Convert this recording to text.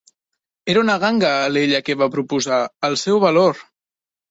Era una ganga el ella que va proposar: el seu valor!